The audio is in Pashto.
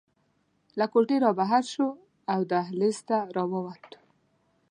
له کوټې رابهر شوو او دهلېز ته راووتو.